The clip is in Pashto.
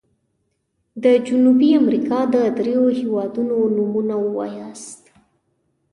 د جنوبي امريکا د دریو هيوادونو نومونه ووایاست.